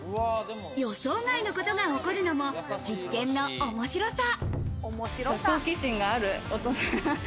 予想外の事が起こるのも実験の面白さ。